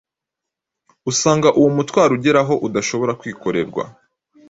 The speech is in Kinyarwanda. usanga uwo mutwaro ugera aho udashobora kwikorerwa.